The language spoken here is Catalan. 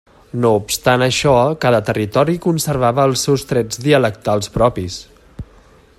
No obstant això, cada territori conservava els seus trets dialectals propis.